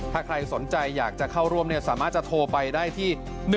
ถ้าใครสนใจอยากจะเข้าร่วมสามารถจะโทรไปได้ที่